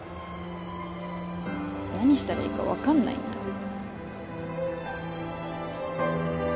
何したらいいか分かんないんだ